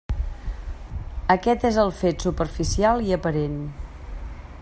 Aquest és el fet superficial i aparent.